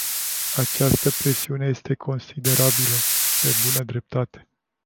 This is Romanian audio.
Această presiune este considerabilă, pe bună dreptate.